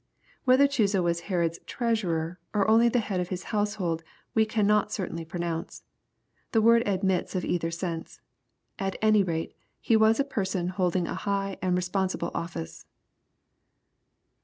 Whether Ohuza was Herod's treasurer or only the head of his household we can not certainly pronounce. The word admits of either sense. At any rate he was a person holding a high and responsible office.